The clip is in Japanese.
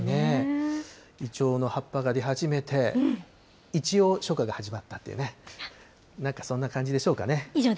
イチョウの葉っぱが出始めて、いちおう、初夏が始まった、なんかそんな感じでしょうかね。